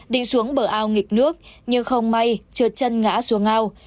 đi xuống bờ ao nghịch nước nhưng không may trượt chân ngã xuống ao